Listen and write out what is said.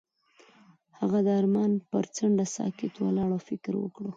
هغه د آرمان پر څنډه ساکت ولاړ او فکر وکړ.